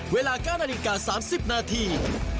เวลา๙นาฬิกา๓๐นาที